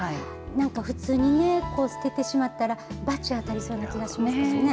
なんか、普通に捨ててしまったら罰当たりそうな気がしますもんね。